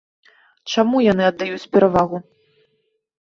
Чаму яны аддаюць перавагу?